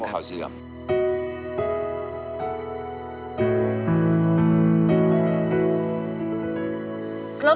ลูกพ่อข่าวเสื่อมครับ